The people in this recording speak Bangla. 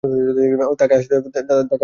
তাকে আসতে দাও, আমি দেখে নেব।